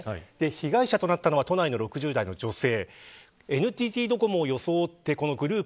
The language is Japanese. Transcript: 被害者となったのは都内の６０代の女性。